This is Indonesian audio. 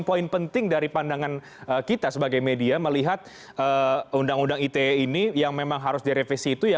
poin penting dari pandangan kita sebagai media melihat undang undang ite ini yang memang harus direvisi itu ya